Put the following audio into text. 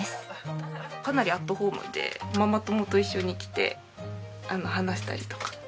かなりアットホームでママ友と一緒に来て話したりとか。